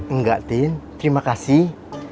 enggak tin terima kasih